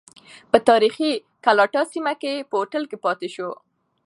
په تاریخی ګلاټا سیمه کې یې هوټل کې پاتې شو.